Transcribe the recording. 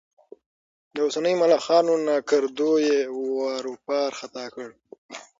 د اوسنيو ملخانو ناکردو یې واروپار ختا کړ.